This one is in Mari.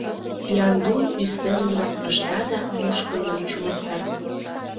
Яндул ӱстел ӱмбак пышта да мушкындым чумырта.